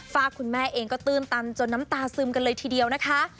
ฝากคุณแม่เองก็ตื้นตันจนน้ำตาซึมกันเลยทีเดียวนะคะ